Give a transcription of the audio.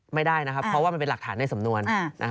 ไม่ได้นะครับเพราะว่ามันเป็นหลักฐานในสำนวน